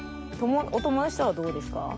お友達とはどうですか？